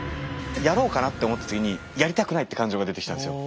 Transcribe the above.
やろうかなって思った時にやりたくないって感情が出てきたんですよ。